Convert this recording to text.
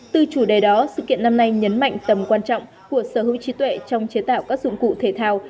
từ chủ đề đó sự kiện năm nay nhấn mạnh tầm quan trọng của sở hữu trí tuệ trong chế tạo các dụng cụ thể thao